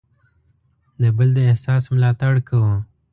د بل د احساس ملاتړ کوو.